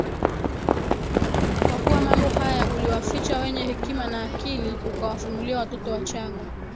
kwa kuwa mambo haya uliwaficha wenye hekima na akili ukawafunulia watoto wachanga